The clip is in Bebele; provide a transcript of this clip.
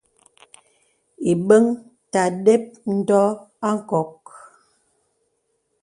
Ìbəŋ ta də́p ndɔ̄ a nkɔk.